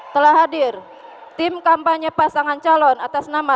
telah hadir tim kampanye pasangan calon atas nama